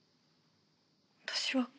私は。